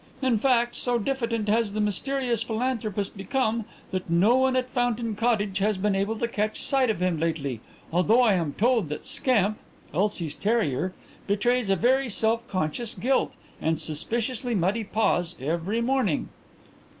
In fact, so diffident has the mysterious philanthropist become, that no one at Fountain Cottage has been able to catch sight of him lately, although I am told that Scamp Elsie's terrier betrays a very self conscious guilt and suspiciously muddy paws every morning."